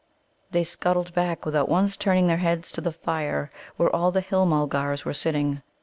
They scuttled back, without once turning their heads, to the fire, where all the Hill mulgars were sitting.